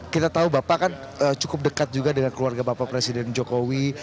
kita tahu bapak kan cukup dekat juga dengan keluarga bapak presiden jokowi